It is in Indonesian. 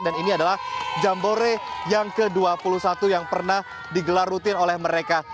dan ini adalah jambore yang ke dua puluh satu yang pernah digelar rutin oleh mereka